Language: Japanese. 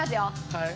はい。